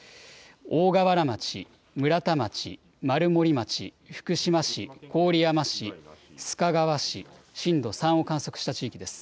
大河原町、村田町、丸森町、福島市、郡山市、須賀川市、震度３を観測した地域です。